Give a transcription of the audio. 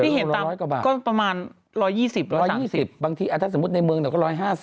นี่เห็นตามก็ประมาณ๑๒๐๑๓๐บางทีถ้าสมมุติในเมืองเราก็๑๕๐